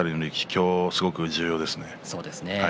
今日、すごく重要ですね。